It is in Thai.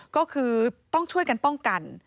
ก็คือต้องช่วยกันป้องกัน